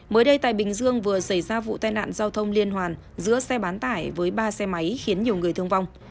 mới đây tại bình dương vừa xảy ra vụ tai nạn giao thông liên hoàn giữa xe bán tải với ba xe máy khiến nhiều người thương vong